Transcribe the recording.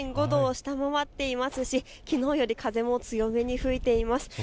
５度を下回っていますし、きのうより風も強めに吹いています。